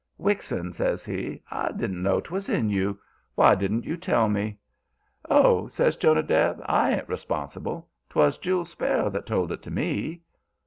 "Wixon," says he. "I didn't know 'twas in you. Why didn't you tell me?" "Oh," says Jonadab, "I ain't responsible. 'Twas Jule Sparrow that told it to me."